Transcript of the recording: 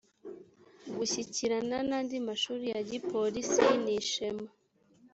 gushyikirana n andi mashuri ya gipolisi nishema